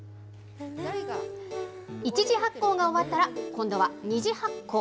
１次発酵が終わったら、今度は２次発酵。